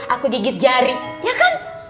aku gigit jari ya kan